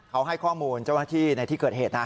เขาให้ข้อมูลเจ้าหน้าที่ในที่เกิดเหตุนะ